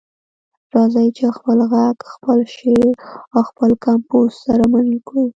راځئ چې خپل غږ، خپل شعر او خپل کمپوز سره مل کړو.